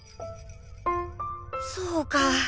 そうか！